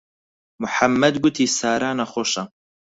موحەممەد گوتی سارا نەخۆشە.